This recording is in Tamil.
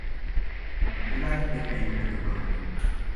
தம் அதிகாரத்தைக் கைவிட விரும்பவில்லை.